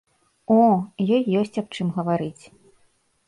О, ёй ёсць аб чым гаварыць.